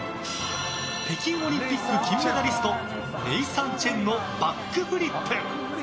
北京オリンピック金メダリストネイサン・チェンのバックフリップ。